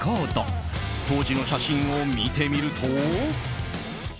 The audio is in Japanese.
当時の写真を見てみると。